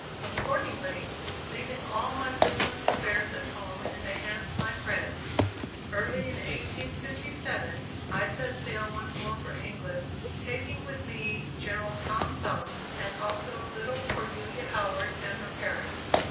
Accordingly, leaving all my business affairs at home in the hands of my friends, early in 1857 I set sail once more for England, taking with me General Tom Thumb, and also little Cordelia Howard and her parents.